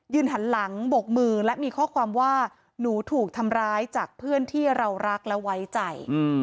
หันหลังบกมือและมีข้อความว่าหนูถูกทำร้ายจากเพื่อนที่เรารักและไว้ใจ